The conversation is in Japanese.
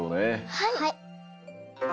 はい。